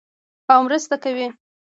او مرسته کوي.